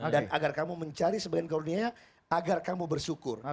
dan agar kamu mencari sebagai keurnianya agar kamu bersyukur